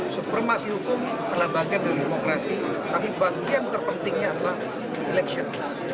supremasi hukum adalah bagian dari demokrasi tapi bagian terpentingnya adalah election